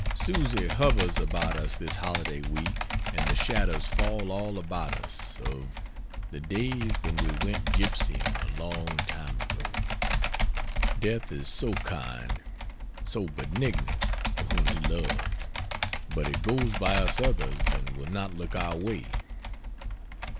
Susy hovers about us this holiday week, and the shadows fall all about us of "The days when we went gipsying A long time ago." Death is so kind, so benignant, to whom he loves; but he goes by us others and will not look our way.